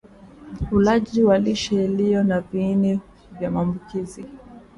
Ulaji wa lishe iliyo na viini vya maambukizi